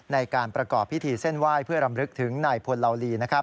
ในการประกอบพิธีเส้นไหว้เพื่อรำลึกถึงนายพลเหล่าลี